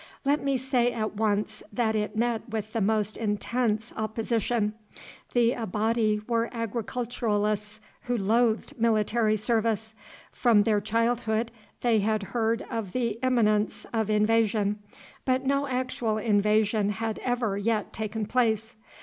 Let me say at once that it met with the most intense opposition. The Abati were agriculturalists who loathed military service. From their childhood they had heard of the imminence of invasion, but no actual invasion had ever yet taken place.